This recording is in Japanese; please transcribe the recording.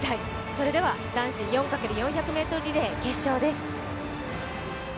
それでは、男子４×４００ｍリレー決勝です。